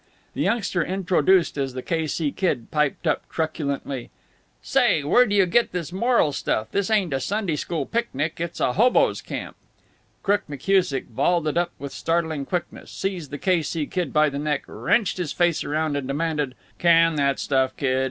The youngster introduced as the K. C. Kid piped up, truculently: "Say, where do you get this moral stuff? This ain't a Sunday school picnic; it's a hoboes' camp." Crook McKusick vaulted up with startling quickness, seized the K. C. Kid by the neck, wrenched his face around, and demanded: "Can that stuff, Kid.